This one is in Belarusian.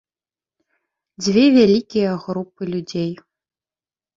Дзве вялікія групы людзей.